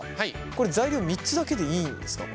これ材料３つだけでいいんですか？